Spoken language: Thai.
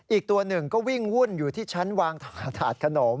อีกตัวหนึ่งก็วิ่งวุ่นอยู่ที่ชั้นวางถาดขนม